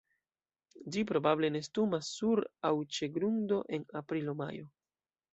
Ĝi probable nestumas sur aŭ ĉe grundo en aprilo-majo.